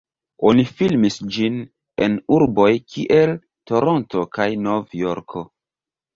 Oni filmis ĝin en urboj kiel Toronto kaj Nov-Jorko.